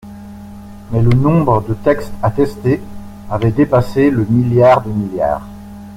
Mais le nombre de textes à tester avait dépassé le milliard de milliards